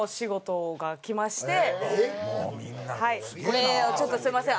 これをちょっとすみません。